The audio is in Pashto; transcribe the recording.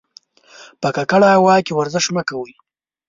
په ککړه هوا کې ورزش مه کوئ.